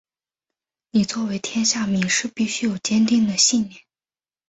你作为天下名士必须有坚定的信念！